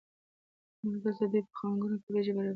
نور دلته دوی په خانکونو کې وریجې برابرې کړې.